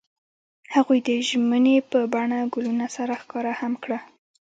هغوی د ژمنې په بڼه ګلونه سره ښکاره هم کړه.